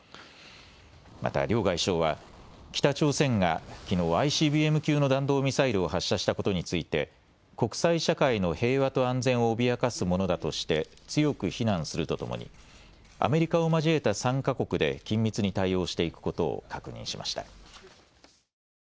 また両外相は北朝鮮がきのうＩＣＢＭ級の弾道ミサイルを発射したことについて国際社会の平和と安全を脅かすものだとして強く非難するとともにアメリカを交えた３か国で緊密に対応していくことを確認しました。